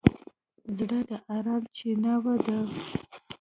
زړه د ارام چیناوه ده.